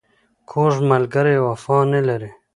کوږ ملګری وفا نه لري